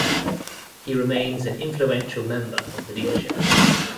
He remains an influential member of the leadership.